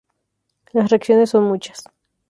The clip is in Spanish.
Las reacciones son muchas.